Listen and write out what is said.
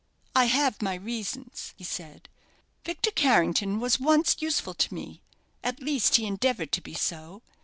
"I have my reasons," he said. "Victor Carrington was once useful to me at least he endeavoured to be so.